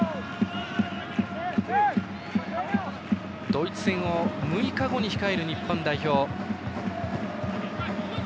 ドイツ戦を６日後に控える日本代表。